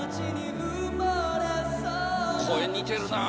声似てるなぁ。